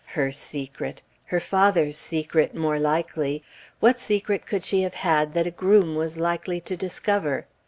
Her secret! her father's secret more likely. What secret could she have had that a groom was likely to discover?